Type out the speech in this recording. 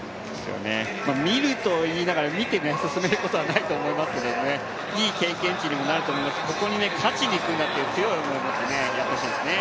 見るといいながら、見て進むことはないと思いますけれども、いい経験値にもなると思いますけど、ここに勝ちにいくんだという強い思いを持ってやってほしいですよね。